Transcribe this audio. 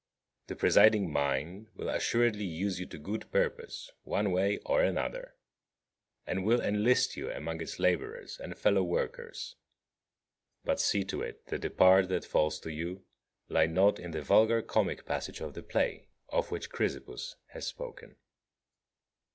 The presiding mind will assuredly use you to good purpose one way or other; and will enlist you among its labourers and fellow workers. But see to it that the part that falls to you lie not in the vulgar comic passage of the play, of which Chrysippus has spoken.